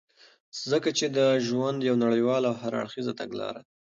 ځكه چې دادژوند يو نړيواله او هر اړخيزه تګلاره ده .